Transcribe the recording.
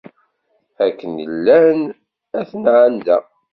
Akken llan ad ten-ɛandeɣ.